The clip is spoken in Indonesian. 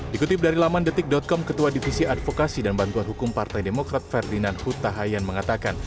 dikutip dari laman detik com ketua divisi advokasi dan bantuan hukum partai demokrat ferdinand huta hayan mengatakan